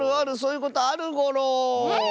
うん！